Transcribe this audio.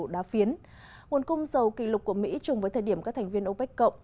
đá phiến nguồn cung dầu kỷ lục của mỹ chung với thời điểm các thành viên opec cộng